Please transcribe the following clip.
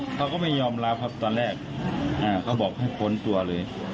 เขาก็ไม่ยอมรับครับตอนแรกเขาบอกให้พ้นตัวเลย